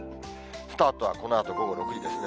スタートはこのあと午後６時ですね。